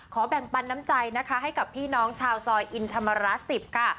แบ่งปันน้ำใจนะคะให้กับพี่น้องชาวซอยอินธรรมราช๑๐ค่ะ